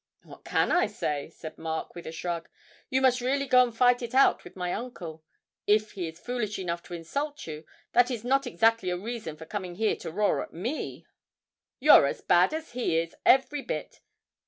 'What can I say?' said Mark, with a shrug. 'You must really go and fight it out with my uncle; if he is foolish enough to insult you, that's not exactly a reason for coming here to roar at me.' 'You're as bad as he is, every bit.